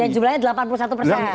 jumlahnya delapan puluh satu persen